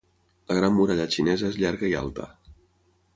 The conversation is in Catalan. La gran muralla xinesa és llarga i alta.